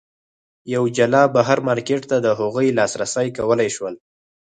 یوه جلا بهر مارکېټ ته د هغوی لاسرسی کولای شول.